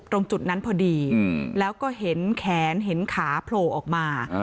ตรงจุดนั้นพอดีแล้วก็เห็นแขนเห็นขาโผล่ออกมา